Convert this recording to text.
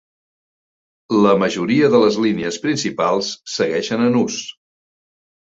La majoria de les línies principals segueixen en ús.